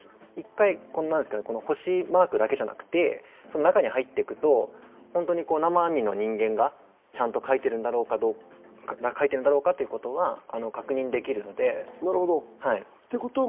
星マークだけじゃなくて中に入っていくと生身の人間が書いているんだろうかということは確認できるので。